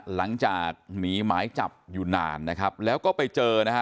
หลังจากหนีหมายจับอยู่นานแล้วก็ไปเจอ